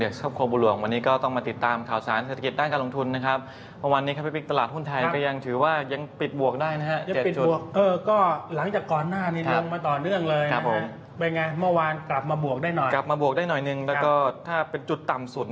สูตรมาราคาปิดได้ก็๑๐จุด